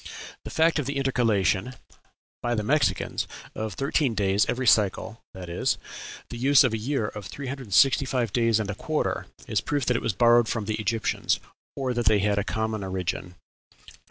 The fact of the intercalation (by the Mexicans) of thirteen days every cycle that is, the use of a year of three hundred and sixty five days and a quarter is a proof that it was borrowed from the Egyptians, or that they had a common origin."